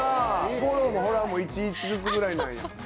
フォローもフォロワーも１１ずつぐらいなんや？